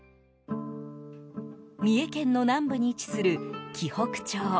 三重県の南部に位置する紀北町。